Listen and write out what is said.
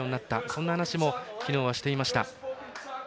そんな話を昨日もしていました。